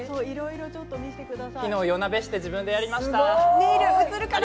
昨日夜なべして自分でやりました。